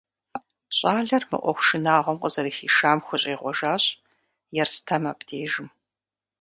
Щӏалэр мы ӏуэху шынагъуэм къызэрыхишам хущӏегъуэжащ Ерстэм абдежым.